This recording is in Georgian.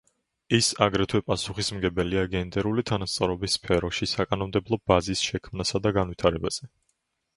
ის აგრეთვე პასუხისმგებელია გენდერული თანასწორობის სფეროში საკანონმდებლო ბაზის შექმნასა და განვითარებაზე.